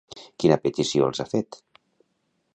Quina petició els ha fet?